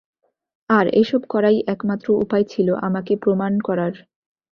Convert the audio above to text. আর এসব করাই একমাত্র উপায় ছিল আমাকে প্রমাণ করার।